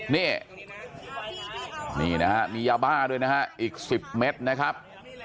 นี่นี่นะฮะมียาบ้าด้วยนะฮะอีก๑๐เมตรนะครับ